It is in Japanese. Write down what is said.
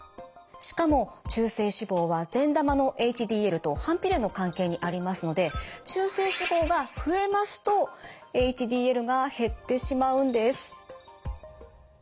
しかも中性脂肪は善玉のＨＤＬと反比例の関係にありますので中性脂肪が増えますとＨＤＬが減ってしまうんです。